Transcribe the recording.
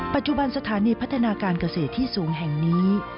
ปัจจุบันสถานีพัฒนาการเกษตรที่สูงแห่งนี้